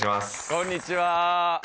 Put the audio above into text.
こんにちは。